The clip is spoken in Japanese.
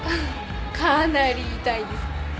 かなりイタいです。